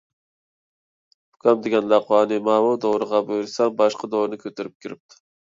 ئۇكام دېگەن لەقۋانى ماۋۇ دورىغا بۇيرۇسام، باشقا دورىنى كۆتۈرۈپ كىرىپتۇ.